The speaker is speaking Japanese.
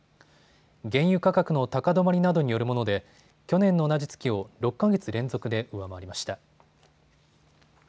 原油価格の高止まりなどによるもので去年の同じ月を６か月連続で上回りました。